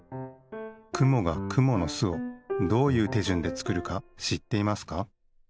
くもがくものすをどういうてじゅんでつくるかしっていますか？